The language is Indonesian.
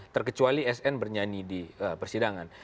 terkecuali sn bernyanyi di persidangan